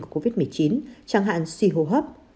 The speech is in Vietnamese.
covid một mươi chín chẳng hạn suy hô hấp